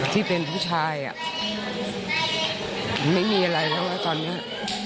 ที่เป็นผู้ชายอ่ะไม่มีอะไรแล้วตอนนี้